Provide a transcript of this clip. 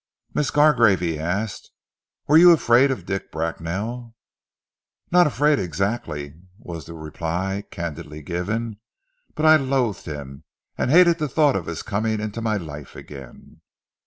"Miss Gargrave," he asked, "were you afraid of Dick Bracknell?" "Not afraid, exactly," was the reply candidly given, "but I loathed him, and hated the thought of his coming into my life again."